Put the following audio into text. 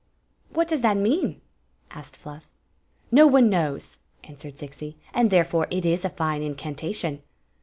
"*" What does that mean ?" asked Fluff. "No one knows," answered Zixi; "and therefore It IS a fine incantation.